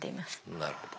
なるほど。